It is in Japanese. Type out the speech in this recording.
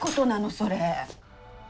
それ。